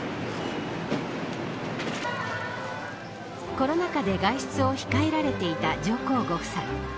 コロナ禍で外出を控えられていた上皇ご夫妻。